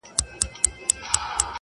کلي به سوځو جوماتونه سوځو،